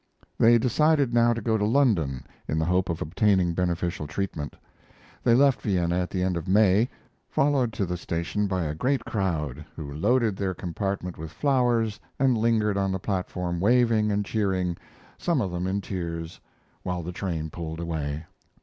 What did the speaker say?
They decided now to go to London, in the hope of obtaining beneficial treatment. They left Vienna at the end of May, followed to the station by a great crowd, who loaded their compartment with flowers and lingered on the platform waving and cheering, some of them in tears, while the train pulled away.